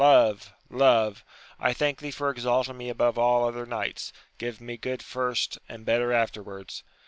Love, love, I thank thee for exalt ing me above all other knights 1 giving me good first, and better afterwards.